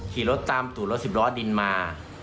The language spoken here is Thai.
ขี่รถตามตู่รถสิบล้อดินมา